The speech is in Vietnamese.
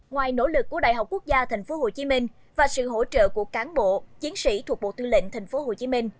ngoài nỗ lực của đại học quốc gia tp hcm và sự hỗ trợ của cán bộ chiến sĩ thuộc bộ tư lệnh tp hcm